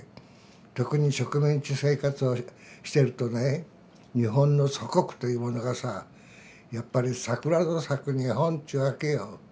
特に植民地生活をしてるとね日本の祖国というものがさやっぱり桜の咲く日本っていうわけよ。